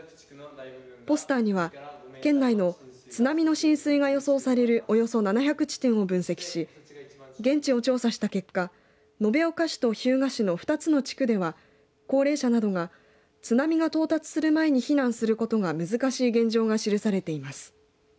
ポスターには県内の津波の浸水が予想されるおよそ７００地点を分析し現地を調査した結果延岡市と日向市の２つの地区では高齢者などが津波が到着する前に避難することが難しい現状が記されています。